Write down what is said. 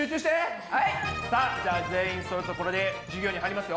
さあじゃあ全員そろったところで授業に入りますよ。